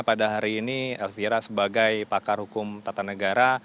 pada hari ini elvira sebagai pakar hukum tata negara